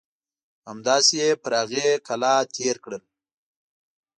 همداسې یې پر هغې کلا تېر کړل.